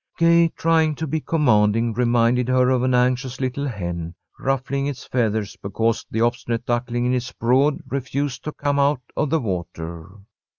Gay, trying to be commanding, reminded her of an anxious little hen, ruffling its feathers because the obstinate duckling in its brood refused to come out of the water.